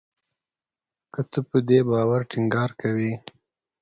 که ته په دې باور ټینګار کوې